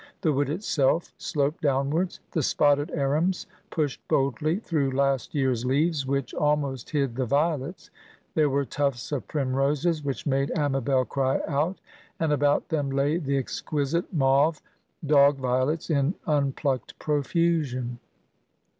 The wood itself sloped downwards; the spotted arums pushed boldly through last year's leaves, which almost hid the violets; there were tufts of primroses, which made Amabel cry out, and about them lay the exquisite mauve dog violets in unplucked profusion.